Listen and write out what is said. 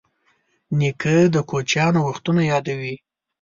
نیکه د کوچیانو وختونه یادوي.